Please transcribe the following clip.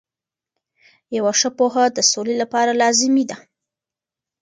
یوه ښه پوهه د سولې لپاره لازمي ده.